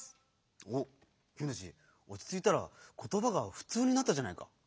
おっきみたちおちついたらことばがふつうになったじゃないか。